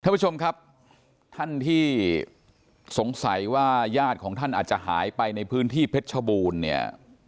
ท่านผู้ชมครับท่านที่สงสัยว่าญาติของท่านอาจจะหายไปในพื้นที่เพชรชบูรณ์เนี่ย